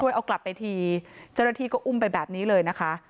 ช่วยเอากลับไปทีเจ้าระทีก็อุ้มไปแบบนี้เลยนะคะ